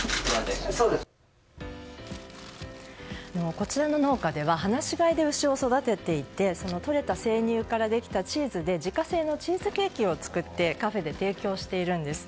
こちらの農家では放し飼いで牛を育てていてとれた生乳からできたチーズで自家製のチーズケーキを作ってカフェで提供しているんです。